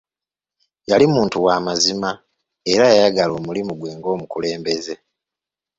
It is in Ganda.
Yali muntu wa mazima era yayagala omulimu gwe ng'omukulembeze.